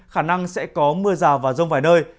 khả năng sẽ có mưa rào và rông vài nơi